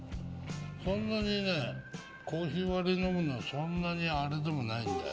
そんなにねコーヒー割り飲むのはそんなにあれでもないんだよ。